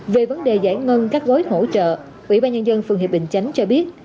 về vấn đề giải ngân các gói hỗ trợ ủy ban nhân dân phường hiệp bình chánh cho biết